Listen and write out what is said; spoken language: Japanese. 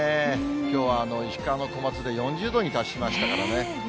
きょうは石川・小松で４０度に達しましたからね。